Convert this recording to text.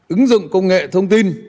ứng dụng công nghệ thông tin